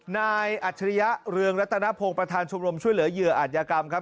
อัจฉริยะเรืองรัตนพงศ์ประธานชมรมช่วยเหลือเหยื่ออาจยากรรมครับ